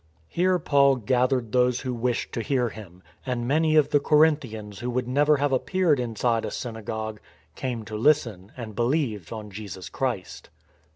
Here Paul gathered those who wished to hear him; and many of the Corinthians who would never have appeared inside a synagogue came to listen and believed on Jesus Christ.